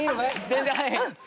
全然はい。